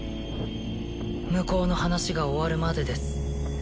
向こうの話が終わるまでです